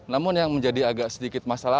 namun yang menjadi agak sedikit masalah